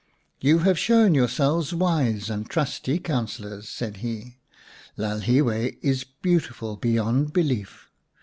" You have shown yourselves wise and trusty councillors," said he. " Lalhiwe is beauti ful beyond belief.